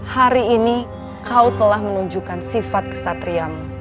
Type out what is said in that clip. hari ini kau telah menunjukkan sifat kesatriamu